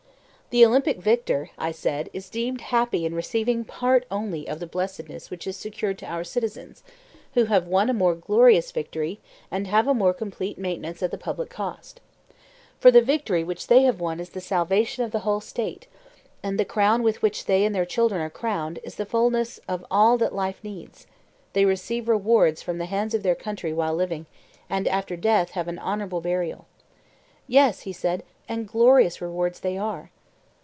The Olympic victor, I said, is deemed happy in receiving a part only of the blessedness which is secured to our citizens, who have won a more glorious victory and have a more complete maintenance at the public cost. For the victory which they have won is the salvation of the whole State; and the crown with which they and their children are crowned is the fulness of all that life needs; they receive rewards from the hands of their country while living, and after death have an honourable burial. Yes, he said, and glorious rewards they are.